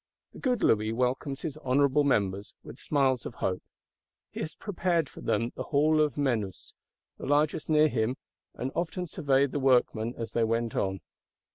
The good Louis welcomes his Honourable Members, with smiles of hope. He has prepared for them the Hall of Menus, the largest near him; and often surveyed the workmen as they went on.